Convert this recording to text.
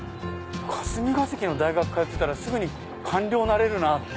霞ケ関の大学通ってたらすぐに官僚になれるなぁって。